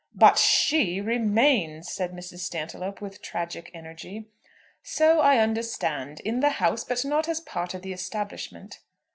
"But she remains!" said Mrs. Stantiloup, with tragic energy. "So I understand; in the house; but not as part of the establishment."